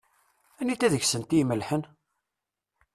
Anita deg-sent i imelliḥen?